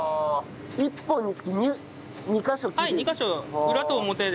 １本につき２カ所切る。